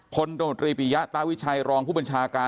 คนตรีประหญ่ตาวิชัยรองผู้บริษาการ